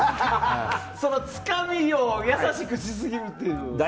つかみを優しくしすぎるっていう。